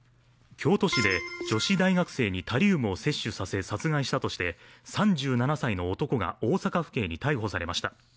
京都市で女子大学生にタリウムを摂取させ殺害したとして３７歳の男が大阪府警に逮捕されました。